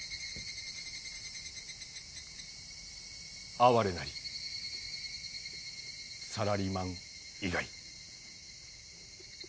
哀れなりサラリーマン以外。